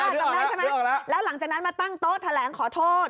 จำได้ใช่ไหมแล้วหลังจากนั้นมาตั้งโต๊ะแถลงขอโทษ